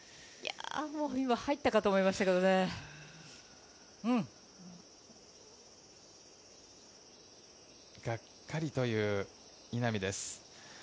今、入ったかと思いましたけがっかりという稲見です。